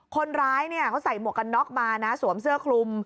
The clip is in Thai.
คนร้ายเนี่ยเขาใส่หมวกกันน็อกมานะสวมเสื้อคลุม